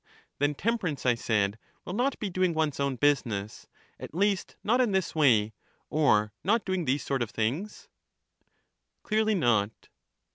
Then temperance, I said, will not be doing one's own business; at least not in this way, or not doing these sort of things? Clearly not.